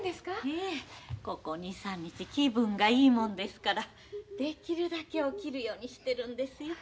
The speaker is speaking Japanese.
ええここ２３日気分がいいもんですからできるだけ起きるようにしてるんですよ。